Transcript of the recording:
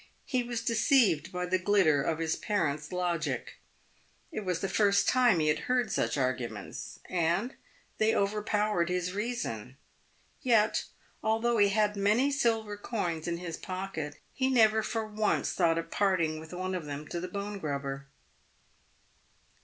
He was deceived by the glitter of his parent's logic. It was the first time he had heard such arguments, and they overpowered his reason. Vet, although he had many silver coins in his pocket, he never for once thought of parting with one of them to the bone grubber.